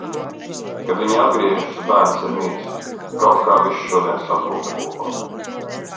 Kad viņi atgriežas, bērns ir miris. Kaut kā viss šodien saplūda kopā.